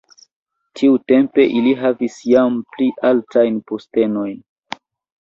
Tiutempe li havis jam pli altajn postenojn.